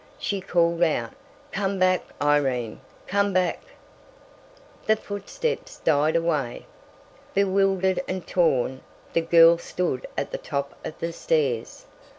She called out: "Come back, Irene! Come back!" The footsteps died away.... Bewildered and torn, the girl stood at the top of the stairs.